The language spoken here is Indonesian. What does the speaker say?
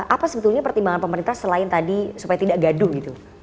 apa sebetulnya pertimbangan pemerintah selain tadi supaya tidak gaduh gitu